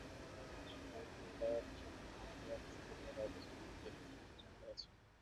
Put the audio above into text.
ঢাকার খিলগাঁওয়ের national ideal school এবার দেশের মধ্যে দ্বিতীয় স্থান অর্জন করেছে।